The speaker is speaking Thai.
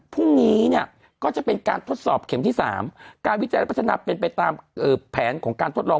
พรุ่งนี้เนี่ยก็จะเป็นการทดสอบเข็มที่๓การวิจัยและพัฒนาเป็นไปตามแผนของการทดลอง